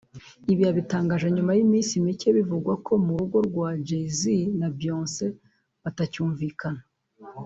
Ibi abitangaje nyuma y’iminsi mike bivugwa ko mu rugo rwa Jay z na Beyonce batacyumvikana